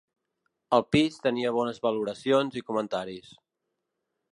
El pis tenia bones valoracions i comentaris.